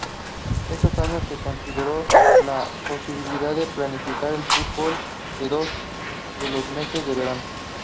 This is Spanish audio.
Esos años se consideró la posibilidad de practicar fútbol en los meses de verano.